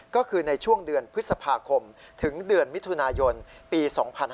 ก็คือในช่วงเดือนพฤษภาคมถึงเดือนมิถุนายนปี๒๕๕๙